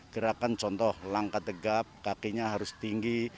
gerakan contoh langkah tegap kakinya harus tinggi